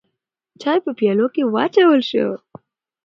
چای په پیالو کې واچول شو.